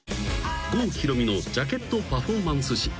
郷ひろみのジャケットパフォーマンス史。